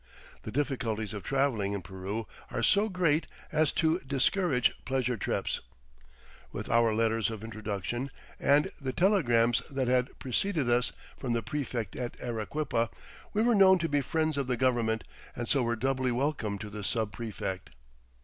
The difficulties of traveling in Peru are so great as to discourage pleasure trips. With our letters of introduction and the telegrams that had preceded us from the prefect at Arequipa, we were known to be friends of the government and so were doubly welcome to the sub prefect.